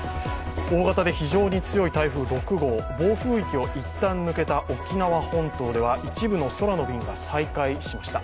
大型で非常に強い台風６号暴風域をいったん抜けた沖縄本島では一部の空の便が再開しました。